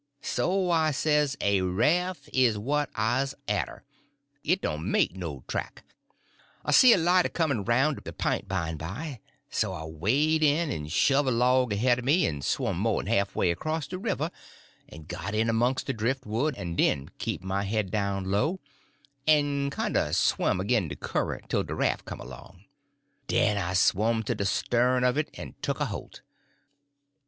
So I says, a raff is what I's arter; it doan' make no track. "I see a light a comin' roun' de p'int bymeby, so I wade' in en shove' a log ahead o' me en swum more'n half way acrost de river, en got in 'mongst de drift wood, en kep' my head down low, en kinder swum agin de current tell de raff come along. Den I swum to de stern uv it en tuck a holt.